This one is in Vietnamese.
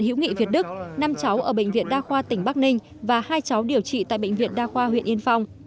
hữu nghị việt đức năm cháu ở bệnh viện đa khoa tỉnh bắc ninh và hai cháu điều trị tại bệnh viện đa khoa huyện yên phong